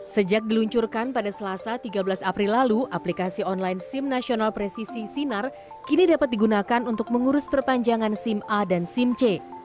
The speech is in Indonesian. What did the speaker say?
sejak diluncurkan pada selasa tiga belas april lalu aplikasi online sim nasional presisi sinar kini dapat digunakan untuk mengurus perpanjangan sim a dan sim c